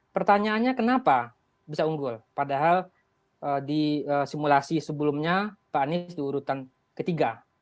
pertanyaannya kenapa bisa unggul padahal di simulasi sebelumnya pak anis di urutan ketiga